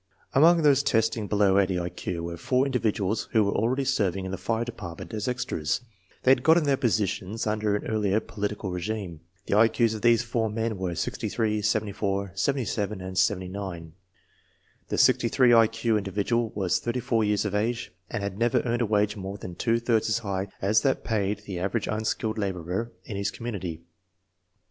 Among those testing below 80 1 Q were four individ uals who were already serving in the fire department as " extras." They had gotten their positions under an earlier political regime. The I Q's of these four men were 63, 74, 77, and 79. The 63 I Q individual was 34 years of age, and had never earned a wage more than two thirds as high as that paid the average unskilled la borer in his community.